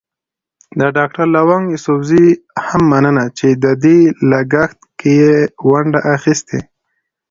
د ډاکټر لونګ يوسفزي هم مننه چې د دې لګښت کې يې ونډه اخيستې.